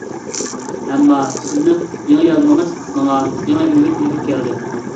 ئەمما سىزنىڭ يېڭى يازمىڭىز ماڭا يېڭى ئۈمىد ئېلىپ كەلدى!